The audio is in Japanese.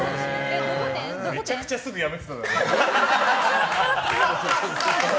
めちゃくちゃすぐ辞めただろ。